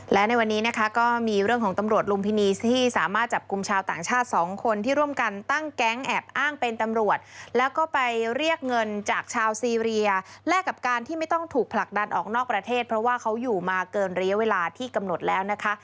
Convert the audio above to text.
และในวันนี้นะคะก็มีเรื่องของตำรวจลุมพินีที่สามารถจับกลุ่มชาวต่างชาติสองคนที่ร่วมกันตั้งแก๊งแอบอ้างเป็นตำรวจแล้วก็ไปเรียกเงินจากชาวซีเรียแลกกับการที่ไม่ต้องถูกผลักดันออกนอกประเทศเพราะว่าเขาอยู่มาเกินระยะเวลาที่กำหนดแล้วนะคะ